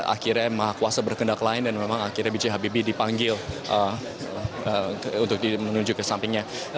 akhirnya maha kuasa berkendak lain dan memang akhirnya b j habibie dipanggil untuk menuju ke sampingnya